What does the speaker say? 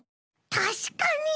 たしかに！